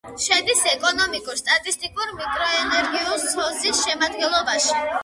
შედის ეკონომიკურ-სტატისტიკურ მიკრორეგიონ სოზის შემადგენლობაში.